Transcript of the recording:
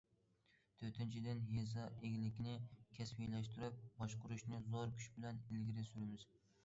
تۆتىنچىدىن، يېزا ئىگىلىكىنى كەسىپلەشتۈرۈپ باشقۇرۇشنى زور كۈچ بىلەن ئىلگىرى سۈرىمىز.